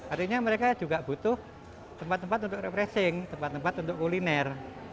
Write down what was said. artinya mereka juga butuh tempat tempat untuk refreshing tempat tempat untuk kuliner